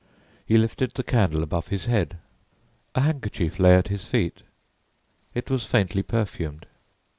He lifted the candle above his head. A handkerchief lay at his feet. It was faintly perfumed.